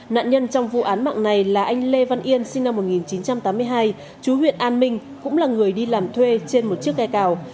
nạn nhân trong vụ án mạng này là anh lê văn yên sinh năm một nghìn chín trăm tám mươi hai chú huyện an minh cũng là người đi làm thuê trên một chiếc ghe cào